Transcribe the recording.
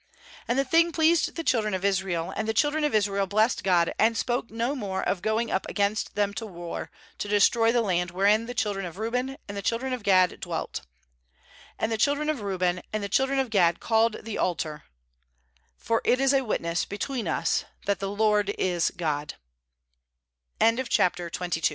^And the thing pleased the children of Israel; and the children of Israel blessed God, and spoke no more of going up against them to war, to destroy the land wherein the children of Reuben and the children of Gad dwelt, nd the children of Reuben and the children of Gad called the altar —: 'for it is a wi